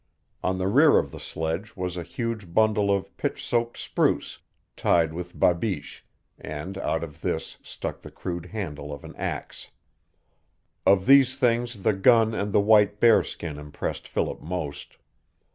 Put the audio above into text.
On the rear of the sledge was a huge bundle of pitch soaked spruce tied with babiche, and out of this stuck the crude handle of an ax. Of these things the gun and the white bear skin impressed Philip most.